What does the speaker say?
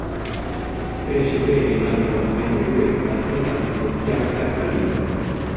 Cresce bene in acqua di media durezza ed anche con pH alcalino.